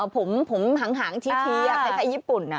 ผมหางชี้ในไทยญี่ปุ่นนะ